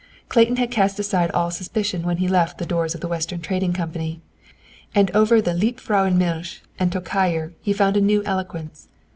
Clayton had cast aside all suspicion when he left the doors of the Western Trading Company, and over the Liebfrauenmilch and Tokayer he found a new eloquence.